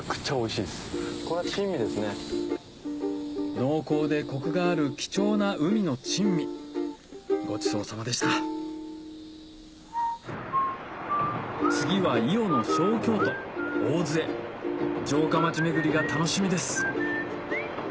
濃厚でコクがある貴重な海の珍味ごちそうさまでした次は伊予の小京都大洲へ城下町巡りが楽しみです